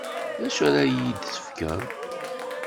D acu ara yi-d-tefkeḍ?